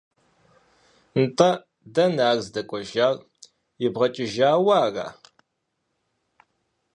НтӀэ, дэнэ ар здэкӀуэжар, ибгъэкӀыжауэ ара?